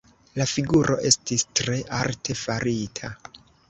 La figuro estis tre arte farita.